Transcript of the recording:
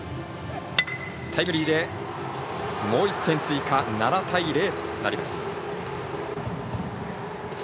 タイムリーでもう１点追加７対０となります。